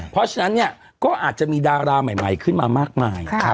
เพราะฉะนั้นเนี่ยก็อาจจะมีดาราใหม่ขึ้นมามากมาย